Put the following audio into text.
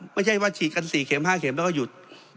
ไม่ใช่ว่าฉีดกัน๔เข็ม๕เม็มแล้วก็หยุด